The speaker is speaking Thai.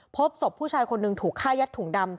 พบศพผู้ชายคนหนึ่งถูกฆ่ายัดถุงดำ